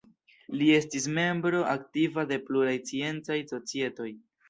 Li estis membro aktiva de pluraj sciencaj societoj.